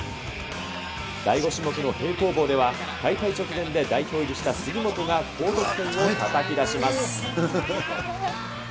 第５種目の平行棒では、大会直前で代表入りした杉本が高得点をたたき出します。